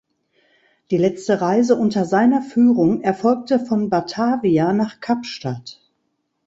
Die letzte Reise unter seiner Führung erfolgte von Batavia nach Kapstadt.